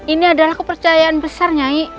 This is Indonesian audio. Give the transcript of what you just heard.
ini adalah kepercayaan besar nyanyi